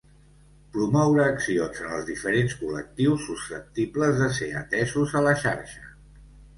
Promoure accions en els diferents col·lectius susceptibles de ser atesos a la xarxa.